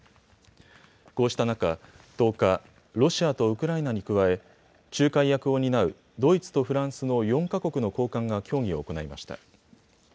こうした中、１０日、ロシアとウクライナに加え仲介役を担うドイツとフランスの４か国の高官が協議を行いました。